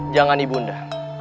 jangan ibu bunda